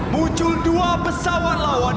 muncul dua pesawat lawan